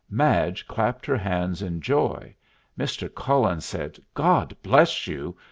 Madge clapped her hands in joy; Mr. Cullen said "God bless you!"